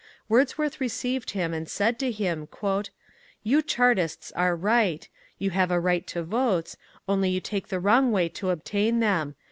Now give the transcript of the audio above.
Wordsworth received him and said to him: "You Chartists are right: you have a right to votes, only you take the wrong way to obtain them.